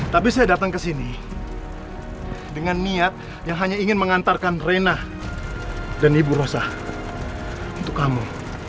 tapi saya datang ke sini dengan niat yang hanya ingin mengantarkan rena dan ibu rozah untuk kamu